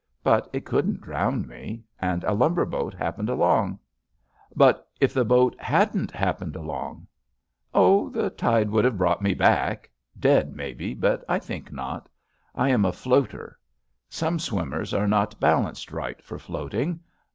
But It couldn't drown me. And a lumber boat happened along." "But if the boat hadn't happened along?" "Oh, the tide would have brought me back. Dead, maybe, but I think not. I am a floater. Some swimmers are not balanced right for floating.